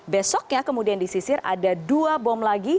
besoknya kemudian disisir ada dua bom lagi